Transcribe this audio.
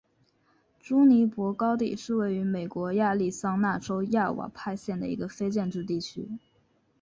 朱尼珀高地是位于美国亚利桑那州亚瓦派县的一个非建制地区。